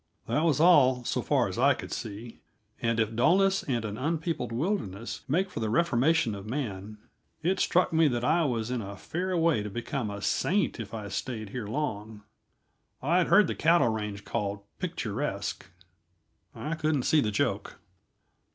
That was all, so far as I could see, and if dulness and an unpeopled wilderness make for the reformation of man, it struck me that I was in a fair way to become a saint if I stayed here long. I had heard the cattle range called picturesque; I couldn't see the joke.